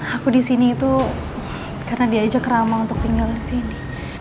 aku di sini itu karena diajak rama untuk tinggal di sini